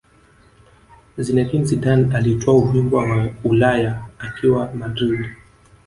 Zinedine Zidane alitwaa ubingwa wa Ulaya akiwa Madrid